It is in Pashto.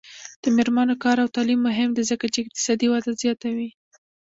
د میرمنو کار او تعلیم مهم دی ځکه چې اقتصادي وده زیاتوي.